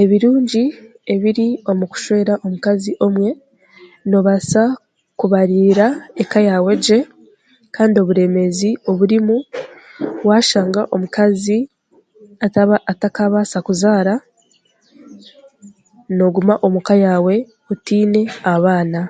Ebirungi ebiri omu kushwera omukazi omwe noobanza kubarira eka yaawe gye kandi oburemeezi oburimu waaashanga omukazi atakaabaasa kuzaara n'oguma omuka yaahwe otaine abaana